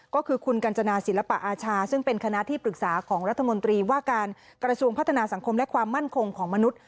ก็คือคุณกัญจนาศิลปะอาชาซึ่งเป็นคณะที่ปรึกษาของรัฐมนตรีว่าการกระทรวงพัฒนาสังคมและความมั่นคงของมนุษย